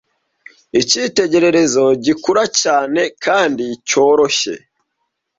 icyitegererezo gikura cyane kandi cyoroshye,